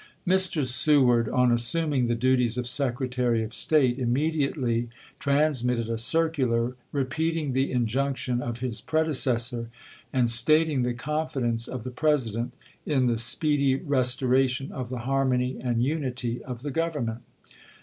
Mr. Seward, on assuming the duties of Secretary of State, immediately transmitted a circular, re 268 ABKAHAM LINCOLN Chap. XV. peating the injunction of his predecessor and stat ing the confidence of the President in the speedy restoration of the harmony and unity of the Gov ernment.